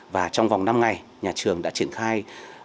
và trong vòng năm ngày nhà trường đã triển khai